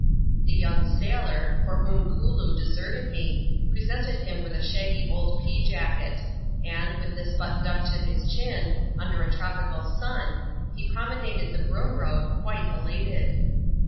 The young sailor, for whom Kooloo deserted me, presented him with a shaggy old pea jacket ; and, with this buttoned up to his chin, under a tropical sun, he promenaded the Broom Road, quite elated.